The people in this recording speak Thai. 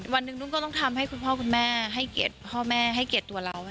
วันหนึ่งทุกคนก็ทำให้คุณพ่อคุณแม่ให้เกร็ดพ่อแม่ให้เกร็ดตัวเรา